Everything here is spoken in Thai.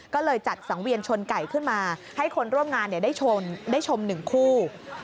ก็เลยจัดสังเวียนชนไก่ขึ้นมาให้คนร่วมงานได้ชม๑คู่